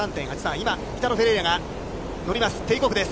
今、イタロ・フェレイラが乗ります。